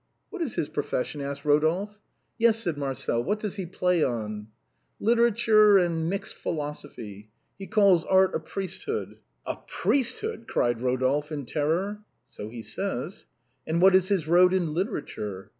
"What is his profession?" asked Eodolphe. " Yes," said Marcel ;" what does he play on ?"" Literature and mixed philosophy. He calls art a priesthood." "A priesthood !" cried Rodolphe, in terror. " So he says." "And what is his road in literature